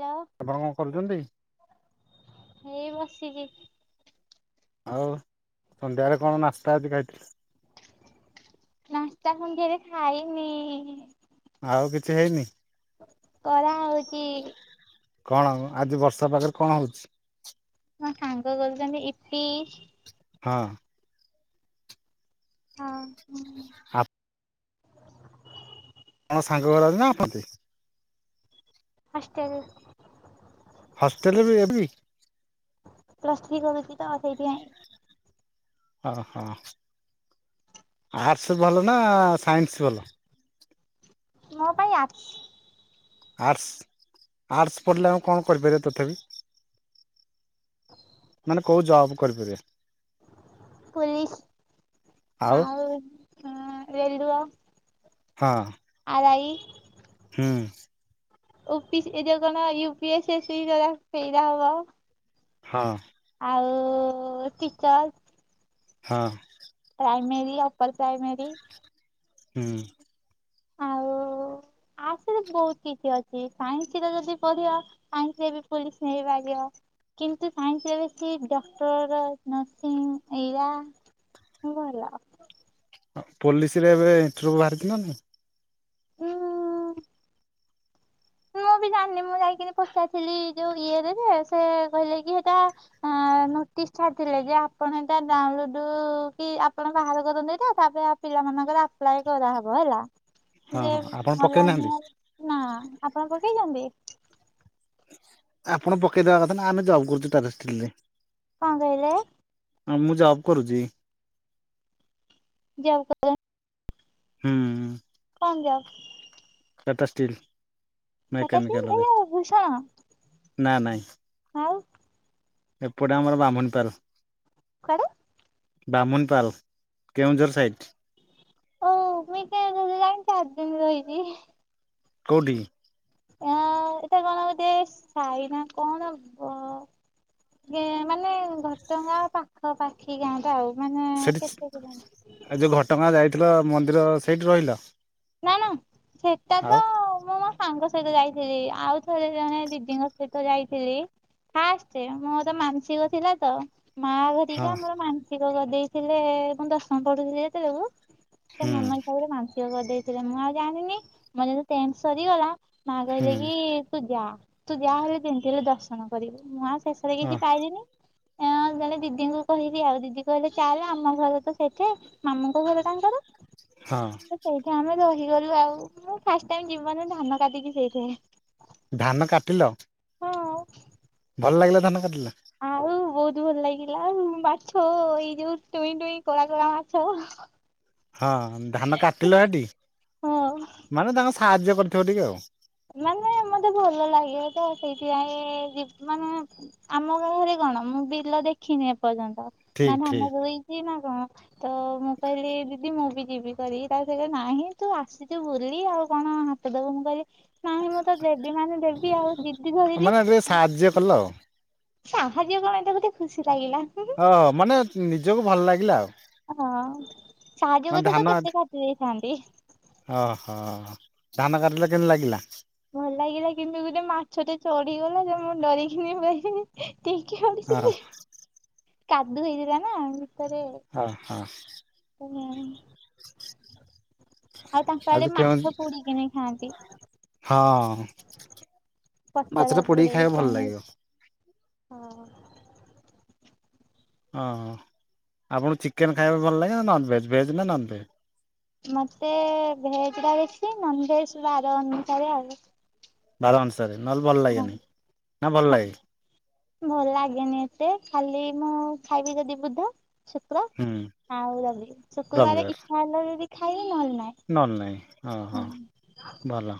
Hello ଆପଣ କଣ କରୁଛନ୍ତି? ହେଇ ବସିଛି। ଆଉ ସନ୍ଧ୍ୟାରେ କଣ ନାସ୍ତା ଅଜି ଖାଇଥିଲେ? ଏକା ସାଙ୍ଗେରେ ଖାଇନି। ଆଉ କିଛି ହେଇନି? କରା ହଉଛି। କଣ ଉଁ ଆଜି ବର୍ଷା ପାଗରେ କଣ ହଉଛି? ମୋ ସାଙ୍ଗ କରୁଛନ୍ତି ଇପି। ହଁ। ହଁ ହୁଁ। ସାଙ୍ଗଗୁ୍ରା ନାହାନ୍ତି? ହଷ୍ଟେଲ୍। ହଷ୍ଟେଲରେବି ଏବେବି? ପ୍ଲସ ଥ୍ରୀ କରୁଚି ତ ସେଇଥିପାଇଁ। ହଁ ହଁ ଆର୍ଟସ୍ ଭଲ ନା ସାଇନସ୍ ଭଲ? ମୋ ପାଇଁ ଆର୍ଟସ୍। ଆର୍ଟସ୍ ଆର୍ଟସ୍ ପଢିଲେ ଆମେ କଣ କରିପାରିବ ତଥାପି? ମାନେ କୋଉ ଜବ କରିପରିବା? ପୁଲିସ୍ ଆଉ ଆଅଁ ରେଲୁଅ। ହଁ। ରାଇ ହୁଁ। ଓପିସି ଏ ଯୋଉ କଣ U P S C ଯୋଉରା ସେଇରା ହବ। ହଁ। ଆଉ ଟିଚର। ହଁ। Primary upper primary. ହୁଁ। ଆ ସାଇନସରେ ବୋହୁତ କିଛି ଅଛି ସାଇନସରେ ଯଦି ପଢିବ ସାଇନସରେ ବି ପୋଲିସ ନେଇପାରିବ। କିନ୍ତୁ ସାଇନସରେ ବେଶୀ ଡକ୍ଟର ନର୍ସିଂ ଏଇରା। ହୁଁ କଣ ହେଲା? ଅ ପୋଲିସିରେ ଏବେ ଇଣ୍ଟରଭୁ ବାହାରି ଥିଲା ନା ନା। ହୁଁ ହୁଁ। [inaudible] ମୁଁ ଜାଣିନି ମୁଁ ଯାଇକିରି ପଚାରଥିଲି ଯୋଉ ଇଏରେ ଯେ ସେ କହିଲେ କି ହେଟା ନୋଟି ଇଛା ଥିଲେ ଯେ ଆପଣ ଏଟା ଡାଉଁଲୁଡୁ କି ଆପଣ ବାହାର କରନ୍ତୁ ଏଇଟା ତାପରେ ଆଉ ପିଲାମଙ୍କର ଅପ୍ଲାଏ କରାହବ ହେଲା ହଁ ଯେ ହଁ ଆପଣ ପକେଇ ନାହାନ୍ତି? ଅନଲାଇନ ହୁଏ ନା। ଆପଣ ପକେଇଚନ୍ତି? ଆପଣ ପକେଇଦବା କଥା ନା ଆମେ ଜବ୍ କରୁଚୁ ଟାଟା ଷ୍ଟିଲରେ। କଣ କହିଲେ? ହଁ ମୁଁ ଜବ କରୁଚି। ଜବ୍ [inaudible] ହୁଁ। କଣ ଜବ୍ ଟାଟା ଷ୍ଟିଲ୍। ସେଟା କି ଏଇ ମେକାନିକାଲରେ ଭୂଷଣ ନା ନାଇଁ। ଆଉ ଏପଟେ ଆମର ବ୍ରାହ୍ମୁନିପାଲ। କୁଆଡେ? ବାହ୍ମୁନିପାଲ କେଉଁଝର ସାଇଟ୍। ଓ ମୁଁ ଏଇ ତ ସେଠି ଯାଇଁକି ଚାର ଦିନ ରହିଚି। କୋଉଠିକି? ଆ ଏଟା କଣ ଗୋଟିଏ ସାଇ ନା କଣ ବ ଗେ ମାନେ ଘଟଗାଁ ପାଖାପାଖି ଗାଁଟା ଆଉ। ମାନେ ସେଠି ଛ୍ କେତେ କିଲୋମିଟର ଏଇ ଯୋଉ ଘଟଗାଁ ଯାଇଥିଲ ମନ୍ଦିର ସେଇଠି ରହିଲ? ନା ନା ସେଟା ତ ଆଉ ମୁଁ ମୋ ସାଙ୍ଗ ସହିତ ଯାଇଥିଲି ଆଉ ଥରେ ଜଣେ ଦିଦିଙ୍କ ସହିତ ଯାଇଥିଲି। ଫାଷ୍ଟେ ମୋର ମାନସିକ ଥିଲା ତ। ମା ହଁ ହରିକା ମୋର ମାନସିକ କରିଦେଇଥିଲେ ମୁଁ ଦଶମ ପଢୁଥୁଲି ଯେତୋଳୁକୁ ସେ ହୁଁ ମନ ହିସାବରେ ମାନସିକ କରିଦେଇଥିଲେ ମୁଁ ଆଉ ଜାଣିନି ମୋର ଯେତେବେଳେ ଟେନସ୍ ସରିଗଲା ମା ହୁଁ କହିଲେ କି ତୁ ଯା ତୁ ଯାହା ହେଲେ ଯେମତି ହେଲେ ଦର୍ଶନ କରିବୁ ମୁଁ ଆଉ ସ୍ ଶେଷରେ ଅ କିଛି ପାଇଲିନି। [inaudible] ଏ ଦିଦିଙ୍କୁ କହିବି ଆଉ ଦିଦି କହିଲେ ଚାଲ ଆମ ଘର ତ ସେଠି ମାମୁଁ ଙ୍କ ଘର ତାଙ୍କର। ହଁ। ମୁଁ ରହିଗଲୁ ଆଉ ମୁଁ ଫାଷ୍ଟ ଟାଇମ୍ ଜୀବନରେ ଧାନ କାଟିକି ସେଇଠି। [unintelligible] ଧାନ କାଟିଲ? ଭଲ ଲାଗିଲା ଧାନ କାଟିଲ? ଆଉ ବହୁତ ତୁ ଭଲ ଲାଗିଲା। ମାଛ ଏଇ ଯୋଉ ଟୁଇଁ ଟୁଇଁ କଳା କଳା ମାଛ। ହଁ ଧାନ କାଟିଲ ସେଠି? ହଁ ମାନେ ତାଙ୍କ ସାହାଯ୍ୟ କରିଥିବ ଟିକେ ଆଉ। ମାନେ ମତେ ଇ ମାନେ ଆମ ଗାଁରେ କଣ ମୁଁ ବିଲ ଦେଖିନି ଏପର୍ଯ୍ୟନ୍ ତ ଠିକ ନା ମୁଁ ଆମ ଠିକ ରୋଇଚି ନା କଣ ତ ମୁଁ କହିଲି ଦିଦି ମୁଁ ବି ଯିବି କରି ତାପରେ ସିଏ କହେ ନାହିଁ ତୁ ଆସିଛୁ ବୁଲି ଆଉ କଣ ହାତ ଦବୁ ମୁଁ କହିଲି ନାହିଁ ମୁଁ ତ ଦେବି ମାନେ ଦେବି ଆଉ ଯି ମାନେ ଯେ ସାହାଯ୍ୟ କଲ। ସାହାଯ୍ୟ କଣ ଏଇଟା ଗୋଟେ ଖୁସି ଲାଗିଲା ହଁ ମାନେ ନିଜକୁ ଭଲ ଲାଗିଲା। ହଁ ସାହାଯ୍ଯ ମାନେ ଧାନ କରିଥିଲେ କେତେ କାଟି ଦେଇଥାଆନ୍ତି। ଓହୋ ଧାନ କାଟିଲ କେମିତି ଲାଗିଲା? ଭଲ ଲାଗିଲା କିନ୍ତୁ ଗୋଟେ ମାଛଟେ ଚଢିଗଲା ଯେ ମୁଁ ଡରିକିନି ବସିଲି। ଟେକି ହଁ ଆଣିଥିଲି କାଦୁଅ ହେଇଥିଲା ନା। ଭିତରେ ହଁ, ହଁ। [unintelligible] ଆଉ ତାଙ୍କ ଆଡେ ମାଛ ପୁଡିକିନି ଖାଆନ୍ତି। ମାଛ ପତର ଟା ପୁଡିକି ପୋଡେଇ ଖାଇବା ଭଲ କଣ ଲାଗିବ। ହଁ, ହଁ। ଅଁ, ହଁ ଆପଣଙ୍କୁ ଚିକେନ୍ ଖାଇବା ଭଲ ଲାଗେ, ନନ ଭେଜ୍ ଭେଜ୍ ନା ନନ ଭେଜ୍? ମୋତେ ଭେଜ୍ ଟା ବେଶି ନନଭେଜ୍ ବାର ଅନୁସାରେ ଆଉ। ବାର ଅନୁସାରେ ନହେଲେ ଭଲ ହଁ ଲାଗେନି? ନା ଭଲ ଲାଗେ? ଭଲ ଲାଗେନି ଏତେ ଖାଲି ମୁଁ ଖାଇବି ଯଦି ବୁଧ ଶୁକ୍ର ହୁଁ ଆଉ ରବି। ଶୁକ୍ରବାର ଇଚ୍ଛା ହେଲା ଯଦି ଖାଇବି। ନହେଲେ ନାଇଁ। ନନଲେ ନାଇଁ ହୁଁ ହଁ ହଁ ଭଲ।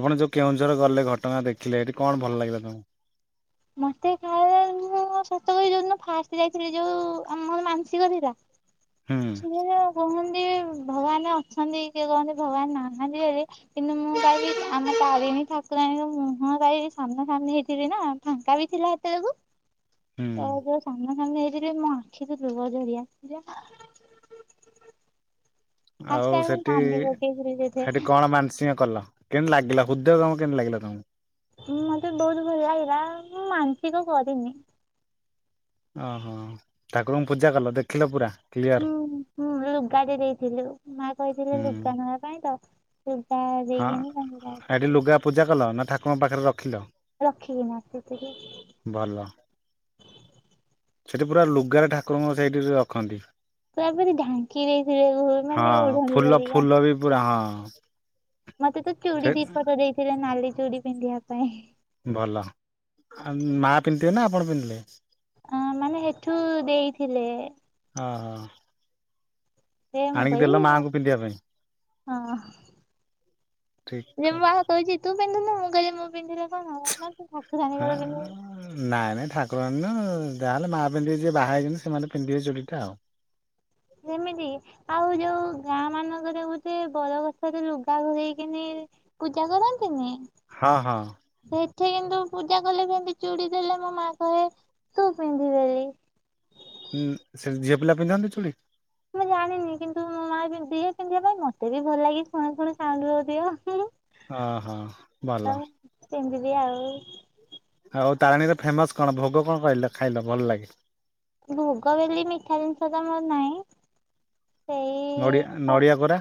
ଆପଣ ଯୋଉ କେଉଁଝର ଗଲେ ଘଟଗାଁ ଦେଖିଲେ ଏଠି କଣ ଭଲ ଲାଗିଲା ତୋମକୁ? ମୋତେ ଖାଲି ମୁଁ ସତ କହିବି ଯୋଉଦିନ ଫାଷ୍ଟ ଯାଇଥିଲି ଯୋଉ ଆମର ମାନସିକ ଥିଲା। ହୁଁ ଛି ଯେ କୁହନ କାଇଁନା ଅଛନ୍ତି କିଏ କହନ୍ତି ଭଗବାନ ନାହାନ୍ତି ବୋଲି କିନ୍ତୁ ମୁଁ କହିବି ଆମ ତାରିଣୀ ଠାକୁରାଣୀ ର ମୁହଁ ଟା ଯଦି ସାମ୍ନା ସାମ୍ନି ହେଇଥିବି ନା ଫାଙ୍କା ବି ଥିଲା ଏତେବେଳକୁ ତ ହୁଁ ଯୋଉ ସାମ୍ନା ସାମ୍ନି ହେଇଚି ଚି ମୋ ଆଖିରୁ ଲୁହ ଝରି ଆସିଲା। ଆଉ ଫାଷ୍ଟ ଟାଇମ୍ ମୁଁ ସେଠି କାନ୍ଦି ପକେଇଥିଲି ସେଠି କଣ ମାନସିଂହ କଲ? କେମତି ଲାଗିଲା ହୃଦୟ ତୋମକୁ କେମିତି ଲାଗିଲା ତୋମକୁ? ଉଁ, ମୋତେ ବହୁତ ଭଲ ଲାଗିଲା। ମୁଁ ମାନସିକ କରିିନି। ଓହୋ! ଠାକୁରଙ୍କୁ ପୂଜା କଲ, ଦେଖିଲ ପୁରା? କ୍ଲିୟର ହୁଁ, ହୁଁ, ଲୁଗା ଟେ ଦେଇଥିଲୁ। ମା କହିଥିଲେ ହୁଁ। ଲୁଗା ନବା ପାଇଁ ତ। ଲୁଗା ହଁ ଦେଇକିନି ତାଙ୍କୁ ଏଠି ଲୁଗା ପୂଜା କଲ ନା? ଠାକୁରଙ୍କ ପାଖରେ ର ରଖିକିନା ଆସିଥିଲୁ। ଭଲ। ସେଠି ପୁରା ଲୁଗାରେ ଠାକୁରଙ୍କୁ ସେଇଠି ରଖନ୍ତି। ପୁରା ପୁରି ଢାଙ୍କି ଦେଇଥିଲେ ମାନେ ହଁ ଓଢଣୀ ଫୁଲ ଫୁଲ ବି ପୁରା ହଁ ମୋତେ ତ ଚୁଡ଼ି ସେ ଦିପଟ ଦେଇଥିଲେ ନାଲି ଚୁଡ଼ି ପିନ୍ଧିବା ପାଇଁ। ଭଲ, ଆ, ମା ପିନ୍ଧଥିବେ ନା ଆପଣ ପିନ୍ଧିଲେ? ଅ ମାନେ ହେଠୁ ଦେଇଥିଲେ ହଁ ହଁ। ସେଇଆ ମୁଁ କହିବି ହଁ। ପାଇଁ ଠିକ୍ ଯେ ମୁଁ କଥା ବାହା କହୁଛି ତୁ ପିନ୍ଧୁନୁ ମୁଁ କହିଲି ମୁଁ ପିନ୍ଧିଲେ କଣ ହବ ନା ତୁ ହଁ ଠାକୁରାଣୀଙ୍କର ପିନ୍ଧିବୁ। ନାଇଁ ନାଇଁ ଠାକୁର ନା ଯାହାହେଲେ ମା ପିନ୍ଧିକି ଯିଏ ବାହା ହେଇଛନ୍ତି ସେମାନେ ପିନ୍ଧିବେ ଚୁଡିଟା ଆଉ। ଯେମିତି ଆଉ ଯୋଉ ଗାଁ ମାନଙ୍କରେ ଗୋଟେ ବରଗଛରେ ଲୁଗା ଘୁରେଇକିନି ପୂଜା କରନ୍ତିନି? ହଁ ହଁ। ଏଠି କିନ୍ତୁ ପୂଜା କଲେ କେମତି ଚୁଡ଼ି ଦେଲେ ମୋ ମା କହେ ତୁ ପିନ୍ଧିବୋଲି। ହଁ ସେଠୀ ଝିଅ ପିଲା ପିନ୍ଧନ୍ତି ଚୁଡ଼ି? ମୁଁ ଜାଣିନି କିନ୍ତୁ ମୋ ମା ଦିଏ ପିନ୍ଧିବା ପାଇଁ ମତେ ବି ଭଲ ଲାଗେ ପୁଣି ଫୁଣି ସାଉଣ୍ଡ ହୋଉଥିବ। ହ ହଁ ଭଲ। ନି ଆଉ। ଆଉ ତାରିଣୀରେ ଫେମସ କଣ ଭୋଗ କଣ କହିଲେ ଖାଇଲ ଭଲ ଲାଗେ? ଭୋଗବେଲି ମିଠା ଜିଣିସ ତ ମର ନାହିଁ ନଡ଼ିଆ ସେଇ ନଡ଼ିଆ କୋରା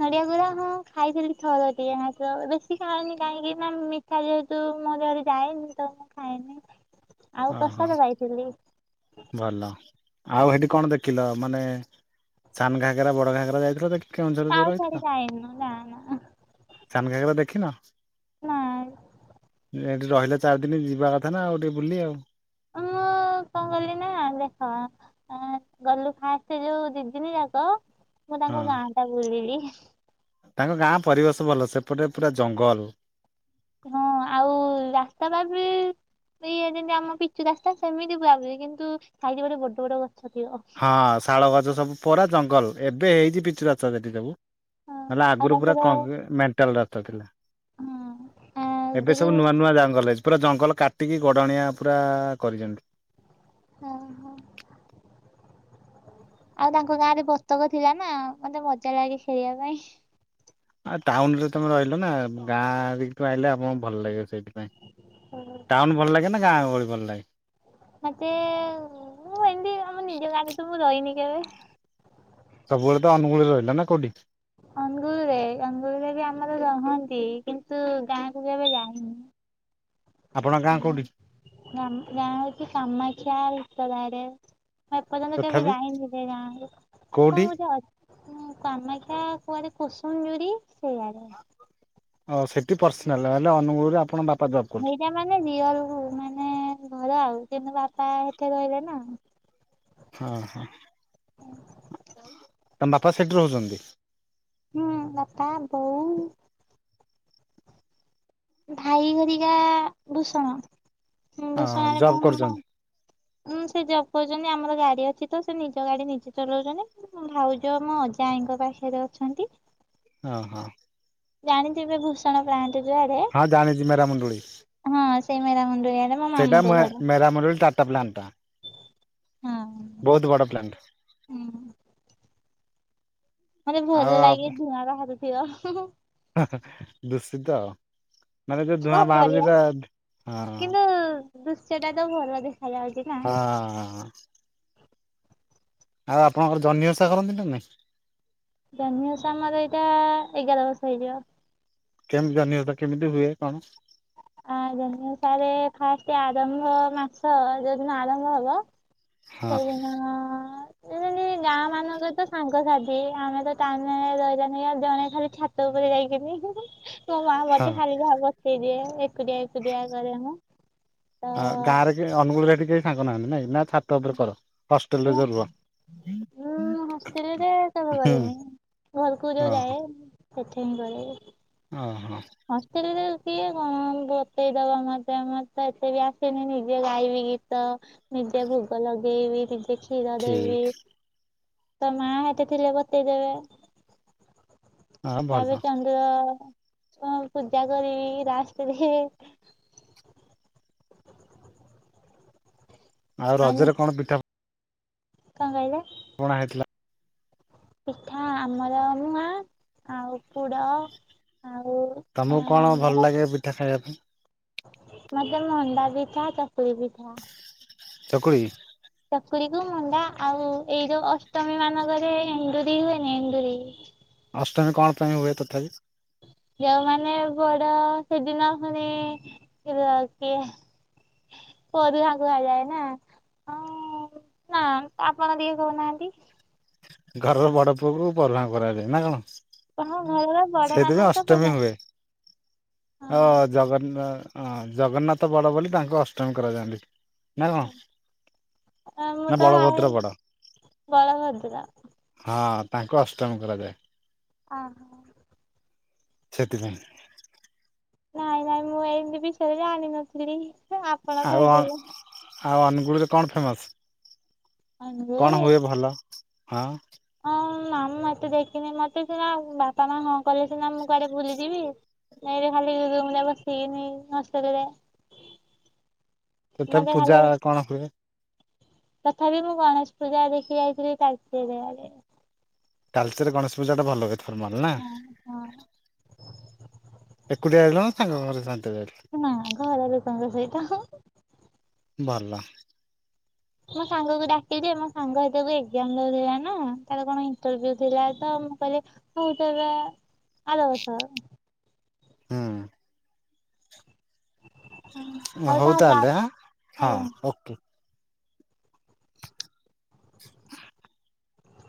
ନଡିଆ କୂରା ହଁ ଖାଇଥିଲି ଥର ଟିଏ ମାତ୍ର ବେଶୀ ଖାଏନି କାହିଁକି ନା ମିଠା ଯେହେତୁ ଏ ସବୁ ମୋ ଦେହରେ ଯାଏନି ତ ମୁ ଖାଏନି ଆଉ ଓହୋ ପ୍ରସାଦ ପାଇଥିଲି। ଭଲ ଆଉ ହେଠି କଣ ଦେଖିଲ? ମାନେ ସାନ ଘାଗରା ବଡ ଘାକରା ଯାଇଥିଲ ଦେଖି? କେଉଁଝର ଯୋଉ ଆଉ ରହିଥିଲ କୁଆଡେ଼ ଯାଇନି ନା ନା ସାନ ଘାଗରା ଦେଖିନ? ନାଇ। ହେଠି ରହିଲ ଚାରି ଦିନ ଯିବା କଥା ନା ଆଉ ଟିକେ ବୁଲି ଆଉ। ମୁଁ କଣ କଲି ନା ଦେଖ ଗଲୁ ଫାଷ୍ଟ ଯୋଉ ଦି ଦିନ ଯ କ ମୁଁ ହଁ ତାଙ୍କ ଗାଁ ଟା ବୁଲିଲି ତାଙ୍କ ଗାଁ ପରିବେଶ ଭଲ ସେପଟେ ପୁରା ଜଙ୍ଗଲ। ହଁ ଆଉ ରାସ୍ତାଟା ବି ଇଏ ଯେମିତି ଆମ ପିଚୁ ରାସ୍ତା ସେମିତି ପୁରା ପୁରି କିନ୍ତୁ ସାଇଟରେ ଗୋଟେ ବଡ ବଡ ଗସ୍ ହଁ ଶାଳ ଗଛ ସବୁ ପରା ଜଙ୍ଗଲ ଏବେ ହେଇଛି ପିଚୁ ରାସ୍ତା ସେଠି ସବୁ। ହଁ ନହେଲେ ଆଉ ଆଗରୁ ପୁରା ତାଙ୍କର ହଁ କଣ ମେଣ୍ଟାଲ ରଥ ଥିଲା। ଆ ଏବେ ଗୁରୁ ସବୁ ନୂଆ ନୂଆ ଜଙ୍ଗଲ ହେଇ ପୁରା ଜଙ୍ଗଲ କାଟିକି ଗଡଣିଆ ପୁରା କରିଛନ୍ତି। ହଁ ହଁ। ଆଉ ତାଙ୍କ ଗାଁରେ ବତକ ଥିଲା ନା ମତେ ମଜା ଲାଗେ ଖେଳିବା ପାଇଁ। ଆ ଟାଉନ ରେ ତମେ ରହିଲ ନା ଗାଁରେ ଆଇଲେ ଆପଣଙ୍କୁ ଭଲ ଲାଗିବ ସେଇଠି ସେଥିପାଇଁ ଟାଉନ ଭଲ ଲାଗେ ନା ଗାଁ ଗହଳି ଭଲ ଲାଗେ? ମତେ ମୁଁ ଏମିତି ଆମ ନିଜେ ଗାଁରେ ତ ମୁଁ ରହିନି କେବେ? ସବୁବେଳେ ତ ଅନୁଗୂଳରେ ରହିଲ ନା କୋଉଠି? ଅନୁଗୁଳରେ। ଅନୁଗୁଳରେ ବି ଆମର ରହନ୍ତି କିନ୍ତୁ ଗାଁକୁ କେବେ ଯାଇନି। ଆପଣଙ୍କ ଗାଁ ଆମ କୋଉଠି? ଆମ ଗାଁ ହୋଉଛି କାମାକ୍ଷା ଭିତର ଆଡେ। ମୁଁ ଏପର୍ଯ୍ୟନ୍ତ କେବେ ତଥାପି ଯାଇନି ସେ ଗାଁକୁ। କୋଉଠି କଣ ଗୋଟେ ଅଛି କାମାକ୍ଷା କୁଆଡେ କୁସୁମଜୁରି ସେଇ ଆଡେ ଓ ସେଠି ପାର୍ସୀନାଲ ହେଲେ ଅନୁଗୁଳରେ ଆପଣ ବାପ ହେଇଟା ମାନେ ରିଅଲ ମାନେ ଘର ଆଉ ତମ ବାପା ହେଠୀ ରହିବେ ନା ହଁ ହଁ ତମ ବାପା ସେଠି ରହୁଛନ୍ତି? ହୁଁ ବାପା ବୋଉ ଭାଇ ହେରିକା ଭୂଷଣ। ହଁ ଭୁଷଣାାରେ ମୁ ଜବ୍ କରୁଛନ୍ତି ଉୁଁ ସେ ଜବ କହୁଛନ୍ତି ଆମର ଗାଡି ଅଛି ତ ସେ ନିଜ ଗାଡି ନିଜେ ଚଲାଉଛନ୍ତି ଭାଉଜ ମୁଁ ଅଜା ଆଈ ତାଙ୍କ ପାଖରେ ଅଛନ୍ତି। ହ ହଁ। ଜାଣିଥିବେ ଭୂଷଣ ପ୍ଲାଣ୍ଟ ଯୁଆଡେ ହଁ ଜାଣିଛି ମେରାମୁଣ୍ଡୁଳି ହଁ ସେଇ ମେରା ମନ୍ଦିର ସେଇଟା ମେ-ମେରାମଣ୍ଡଳୀ ଟାଟା ପ୍ଲାଣ୍ଟା ହଁ ବହୁତ ବଡ ପ୍ଲାଣ୍ଟ। ହୁଁ। ମତେ ଆଉ ଭଲ ଲାଗେ ଧୂଆଁ ବାହାରୁଥିବ। ଦୂଷିତ। ମାନେ ଯୋଉ ଧୂଆଁ କଣ ବାହାରୁଛି କରିବା ତା ହଁ। ଦୃଶ୍ୟଟା ତ ଭଲ ଦେଖ ହଁ। ଆଉ ଆପଣଙ୍କର ଜହ୍ନି ଓଷା କରନ୍ତି ନା ନାଇ? ଜହ୍ନି ଓଷା ଆମର ଏଇଟା ଏଗାର ବର୍ଷ ହେଇଯିବ। କେମତି ଜହ୍ନି ଓଷା କେମିତି ହୁଏ କଣ? ହଁ ଜହ୍ନିଓଷା ରେ ଫାଷ୍ଟ ଆରମ୍ଭ ମାସ ଯୋଉଦିନ ଆରମ୍ଭ ହବ ହଁ ସେଇଦିନ ସେ ଗାଁ ମାନଙ୍କର ତ ସାଙ୍ଗସାଥି ସେ ଆମେ ତ ତା ରହିିଲାନ ଆଉ ଜଣେ ଖାଲି ଛାତ ଉପରେ ଯାଇକିନି ମୋ ମା ହଁ ମତେ ଖାଲି ଯାହା ବସେଇଦିଏ ଏକୁଟିଆ ଏକୁଟିଆ କରେ ମୁଁ। ତ ଆ ଗାଁରେ କିଏ ଅନୁଗୁଳରେ ଏଠି କେହି ସାଙ୍ଗ ନାହାନ୍ତି ନାଇଁ ନା ଛାତ ଉପରେ କର ହଷ୍ଟେଲ ରେ ଯୋଉ ରୁହ। ଉଁ ହଷ୍ଟେଲରେ ସବୁ ହୁଁ କରେନି ଘରକୁ ଯୋଉ ଯାଏ [unintelligible] ଅ। ହଷ୍ଟେଲରେ ସିଏ କଣ ବତେଇଦବ ମତେ ମତ ଏତେ ବି ଆସେନି ନିଜେ ଗାଇବି ଗୀତ। ନିଜେ ଭୋଗ ଲଗେଇ ବି ନିଜେ କ୍ଷୀର ଦେବି। ଠିକ ତ ମା ହେଠି ଥିଲେ ବତେଇ ଦେବେ। ହଁ ଭଲ ତାପ ରେ ଚାନ୍ଦ ହ ପୂଜା କରିବି ରାସ୍ତରେ ଆଉ ରଜରେ କଣ ପିଠା କଣ କହିଲେ? କଣା ହେଇଥିଲା। ପିଠା ଆମର ମୁଁଆ ଆଉ ପୁଡ଼। ତମକୁ କଣ ଭଲ ଲାଗେ ପିଠା ଖାଇବା ପାଇଁ? ମତେ ମଣ୍ଡା ପିଠା ଚକୁଳି ପିଠା। ଚକୁଳି? ଚକୁଳି କୁ ମଣ୍ଡା ଆଉ ଏଇ ଯୋଉ ଅଷ୍ଟମୀ ମାନଙ୍କରେ ଏଣ୍ଡୁରି ହୁଏନି ଏଣ୍ଡୁରି। ଅଷ୍ଟମୀ କଣ ପାଇଁ ହୁଏ ତଥାପି? ଯୋଉମାନେ ବଡ ସେଦିନ [unintelligible] ର ଦିଏ ପରୁହାଁ କୁହାଯାଏ ନା। ହଁ- ନା ଆପଣ ଟିକେ କହୁନାହାନ୍ତି? ଘରର ବଡ ପୁଅକୁ ପରୁହାଁ କରାଯାଏ ନା? ହଁ। ସେଇଥିପାଇଁ ଅଷ୍ଟମୀ ହୁଏ। ଅ ଜଗନ୍ନା ଅଁ ଜଗନ୍ନାଥ ବଡ ବୋଲି ତାଙ୍କୁ ଅଷ୍ଟମୀ କରାଯାନ୍ତି ନା କଣ? ହଁ ମୁଁ ନା ତ ଭାବେ ବଳଭଦ୍ର ବଡ ବଳଭଦ୍ର ହଁ। ତାଙ୍କୁ ଅଷ୍ଟମୀ କରାଯାଏ। ହଁ। ସେଥିପାଇଁ। ନାଇଁ ନାଇଁ ମୁଁ ଏମିତି ବିଷୟରେ ଜାଣିନଥିଲି ଆପଣ ଆଉ କହିଦେଲେ। ଆଉ ଅନୁଗୁଳୁ ରେ କଣ ଫେମସ। କଣ ଅନୁଗୁଳରେ ହୁଏ ଭଲ ହଁ। ମାମଁ ମତେ ଦେଖିନି। ମତେ ସିନା ବାପା ମା ହଁ କଲେ ସିନା ମୁଁ କୁଆଡେ ବୁଲିଯିବି। ଏଇନେ ଖାଲି [unintelligible] ମସ୍ତ ଟାରେ। ତଥାପି ପୂଜା କଣ ହୁଏ? ତଥାପି ମୁଁ ଗଣେଶ ପୂଜା ଦେଖି ଯାଇଥିଲି ତାଲଚେର ଆଡେ। ତାଳଚେରରେ ଗଣେଶ ପୂଜା ଟା ଭଲ ହୁଏ। ତୋର ବଲନା ହଁ ହଁ ଏକୁଟିଆ ଯାଇଥିଲ ନା ସାଙ୍ଗ ଘରେ ସାଂଗେ? ନା ଘର ଲୋକଙ୍କ ସହିତ। ଭଲ। ମୋ ସାଙ୍ଗକୁ ଡାକିଲି ମୋ ସାଙ୍ଗ ସେତକୁ ଏକଜାମ ଦୋଉଥିଲା ନା। ତାର କଣ ଇଣ୍ଟଭିଉ ଥିଲା ତ? ମୁଁ କହିଲି ହଉ ତାହେଲେ ଆର ବଷ। ହୁଁ ହଉ ତାହେଲେ ଆଁ ହଁ ଆଜ୍ଞା ଓକେ।